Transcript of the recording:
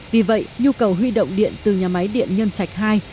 vì vậy nhu cầu huy động điện từ nhà máy điện nhân trạch hai